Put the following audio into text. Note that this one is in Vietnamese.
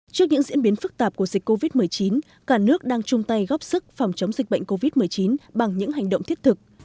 trước những diễn biến phức tạp của dịch covid một mươi chín cả nước đang chung tay góp sức phòng chống dịch bệnh covid một mươi chín bằng những hành động thiết thực